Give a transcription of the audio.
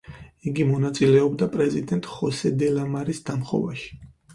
იგი მონაწილეობდა პრეზიდენტ ხოსე დე ლა-მარის დამხობაში.